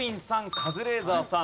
カズレーザーさん